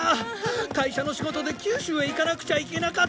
会社の仕事で九州へ行かなくちゃいけなかったのに！